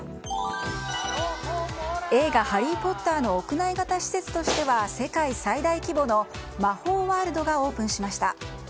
映画「ハリー・ポッター」の屋内型施設としては世界最大規模の魔法ワールドがオープンしました。